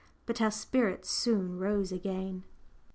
But our spirits soon rose again.